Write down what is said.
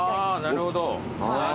なるほど。